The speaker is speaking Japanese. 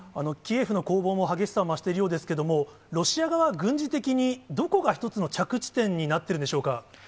キエフの攻防も激しさを増しているようですけれども、ロシア側は軍事的に、どこが一つの着地点になっているでしょうか。